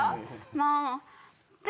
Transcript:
もう。